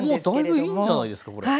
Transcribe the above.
もうだいぶいいんじゃないですか？